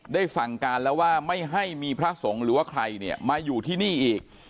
สั่งการแล้วว่าไม่ให้มีพระสงฆ์หรือว่าใครเนี่ยมาอยู่ที่นี่อีก